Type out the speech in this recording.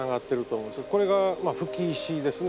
これが「葺き石」ですね。